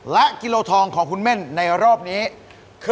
และกิโลทองของคุณเม่นในรอบนี้คือ